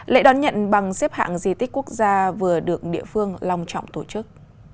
lễ đón nhận bằng xếp hạng di tích quốc gia vừa được địa phương long trọng tổ chức